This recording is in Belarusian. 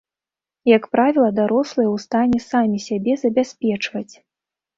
Як правіла, дарослыя ў стане самі сябе забяспечваць.